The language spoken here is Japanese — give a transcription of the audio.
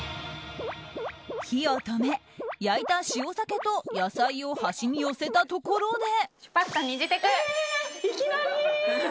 火を止め、焼いた塩鮭と野菜を端に寄せたところで。